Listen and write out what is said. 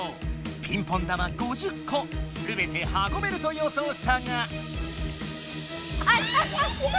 ピンポン玉５０個すべてはこべると予想したが。わ！